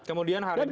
kemudian hari ini